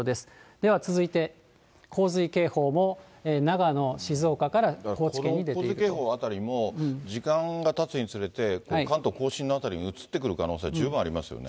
では続いて、洪水警報も長野、洪水警報あたりも、時間がたつにつれて、関東甲信の辺りに移ってくる可能性は十分ありますよね。